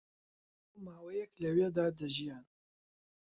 بۆ ماوەیەک لەوێدا دەژیان